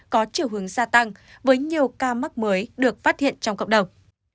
có chiều hướng gia tăng với nhiều ca mắc mới được phát hiện trong cộng đồng